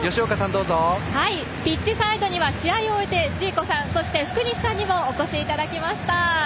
ピッチサイドには試合を終えてジーコさんそして福西さんにもお越しいただきました。